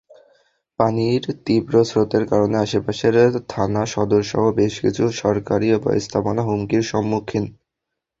পানির তীব্র স্রোতের কারণে আশপাশের থানা সদরসহ বেশ কিছু সরকারি স্থাপনা হুমকির সম্মুখীন।